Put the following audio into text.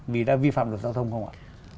vì đã vi phạm được giao thông không ạ